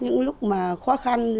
những lúc mà khó khăn